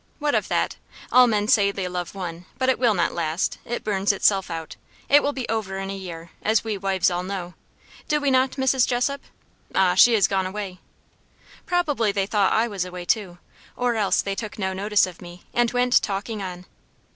What of that? All men say they love one but it will not last. It burns itself out. It will be over in a year, as we wives all know. Do we not, Mrs. Jessop? Ah! she is gone away." Probably they thought I was away too or else they took no notice of me and went talking on.